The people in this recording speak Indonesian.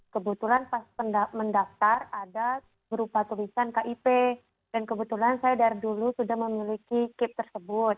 kebetulan pas mendaftar ada berupa tulisan kip dan kebetulan saya dari dulu sudah memiliki kip tersebut